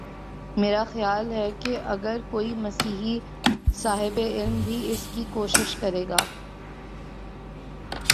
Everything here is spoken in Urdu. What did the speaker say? میرا خیال ہے کہ اگر کوئی مسیحی صاحب علم بھی اس کی کوشش کرے گا۔